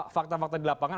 fakta fakta di lapangan